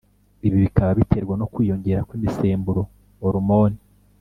ibi bikaba biterwa no kwiyongera kw’imisemburo (hormones)